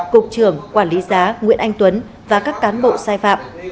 cục trưởng quản lý giá nguyễn anh tuấn và các cán bộ sai phạm